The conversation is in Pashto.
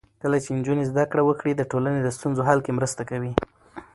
کله چې نجونې زده کړه وکړي، د ټولنې د ستونزو حل کې مرسته کوي.